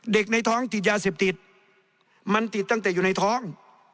ในท้องติดยาเสพติดมันติดตั้งแต่อยู่ในท้อง